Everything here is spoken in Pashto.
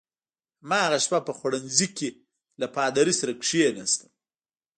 هماغه شپه په خوړنځای کې له پادري سره کېناستم.